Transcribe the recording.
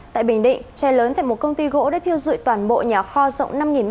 tại bình định cháy lớn tại một công ty gỗ đã thiêu dụi toàn bộ nhà kho rộng năm m hai